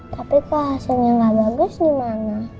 tapi kok hasilnya gak bagus gimana